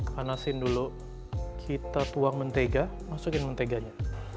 panasin dulu kita tuang mentega masukin menteganya